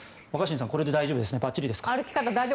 若新さん、これで大丈夫ですか？